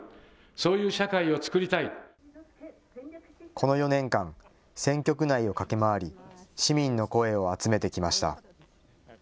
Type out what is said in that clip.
この４年間、選挙区内を駆け回り、市民の声を集めてきました。